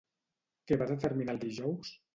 Què va determinar el dijous?